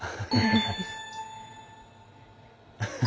ハハハハ。